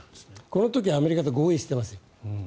この時はアメリカと合意していますよ。